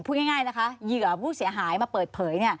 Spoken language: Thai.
พูดง่ายนะคะเหยื่อผู้เสียหายมาเปิดเผย